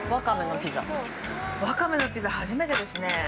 ◆ワカメのピザ、初めてですね。